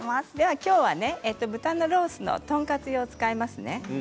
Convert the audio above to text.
きょうは豚のロースのトンカツ用を使います。